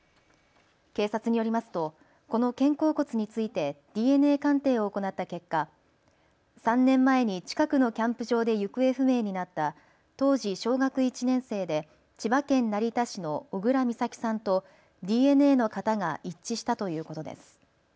警察によりますと、この肩甲骨についてＤＮＡ鑑定を行った結果、３年前に近くのキャンプ場で行方不明になった当時小学１年生で千葉県成田市の小倉美咲さんとＤＮＡの型が一致したということです。